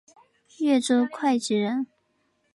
越州会稽人。